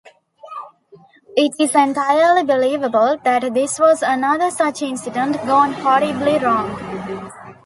It is entirely believable that this was another such incident gone horribly wrong.